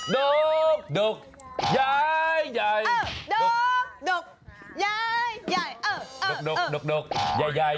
ดกใหญ่